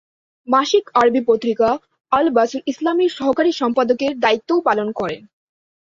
মাসিক আরবি পত্রিকা ‘"আল-বাসুল ইসলামি"’র সহকারী সম্পাদকের দায়িত্বও পালন করেন।